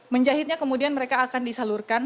menjahitnya kemudian mereka akan disalurkan